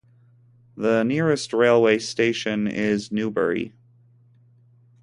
The nearest railway station is Newbury.